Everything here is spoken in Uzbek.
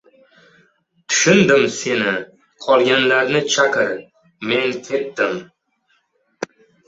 Tushundim seni, qolganlarni chaqir, men ketdim….